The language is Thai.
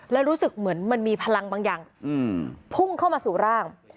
แล้วรู้สึกเหมือนมันมีพลังบางอย่างพุ่งเข้ามาสู่ร่าง